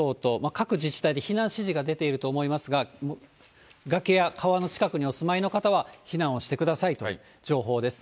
各自治体で避難指示が出ていると思いますが、崖や川の近くにお住まいの方は避難をしてくださいという情報です。